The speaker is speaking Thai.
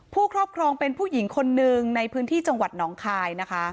ครอบครองเป็นผู้หญิงคนหนึ่งในพื้นที่จังหวัดหนองคายนะคะ